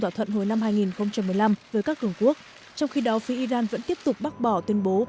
thỏa thuận hồi năm hai nghìn một mươi năm với các cường quốc trong khi đó phía iran vẫn tiếp tục bác bỏ tuyên bố